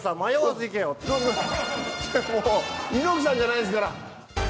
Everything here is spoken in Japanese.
猪木さんじゃないんですから。